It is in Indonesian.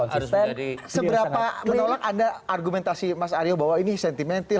seberapa menolak anda argumentasi mas aryo bahwa ini sentimental